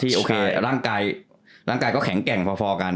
โอเคร่างกายก็แข็งแกร่งพอกัน